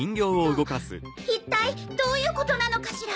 えっと「一体どういうことなのかしら？」。